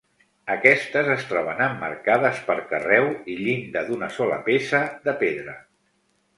Aquestes es troben emmarcades per carreu i llinda d'una sola peça de pedra.